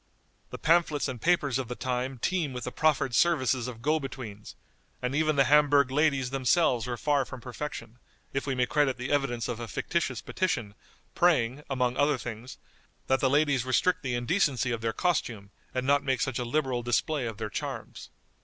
The pamphlets and papers of the time teem with the proffered services of go betweens, and even the Hamburg ladies themselves were far from perfection, if we may credit the evidence of a fictitious petition, praying, among other things, that the ladies restrict the indecency of their costume, and not make such a liberal display of their charms.